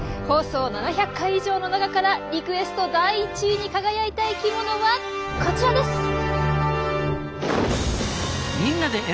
放送７００回以上の中からリクエスト第１位に輝いた生きものはこちらです！